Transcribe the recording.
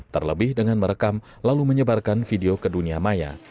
terlebih dengan merekam lalu menyebarkan video ke dunia maya